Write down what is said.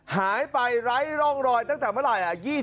หายไปไร้ร่องรอยตั้งแต่เมื่อไหร่